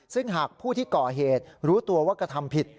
ซึ่งหากผู้ที่ก่อเหตุรู้ตัวว่ากระทำผิด